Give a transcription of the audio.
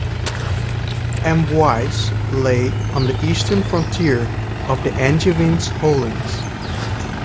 Amboise lay on the eastern frontier of the Angevins holdings.